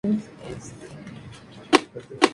Todo hecho tiene su consecuencia.